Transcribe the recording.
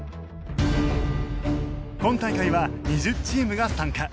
今大会は２０チームが参加。